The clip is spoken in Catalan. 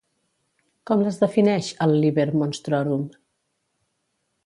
Com les defineix el Liber Monstrorum?